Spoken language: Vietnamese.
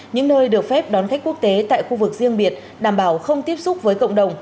những nơi được phép đón khách quốc tế tại khu vực riêng biệt đảm bảo không tiếp xúc với cộng đồng